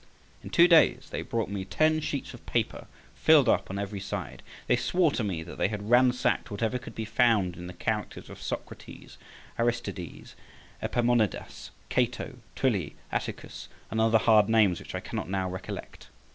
In two days they brought me ten sheets of paper filled up on every side. They swore to me that they had ransacked whatever could be found in the characters of Socrates, Aristides, Epaminondas, Cato, Tully, Atticus, and other hard names which I cannot now recollect.